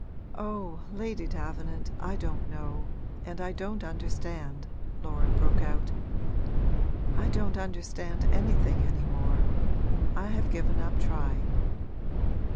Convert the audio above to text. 'Oh, Lady Davenant, I don't know and I don't understand!' Laura broke out. 'I don't understand anything any more I have given up trying.'